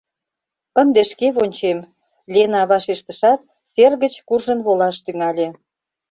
— Ынде шке вончем, — Лена вашештышат, сер гыч куржын волаш тӱҥале.